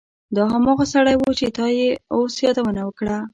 دا هماغه سړی و چې تا یې اوس یادونه وکړه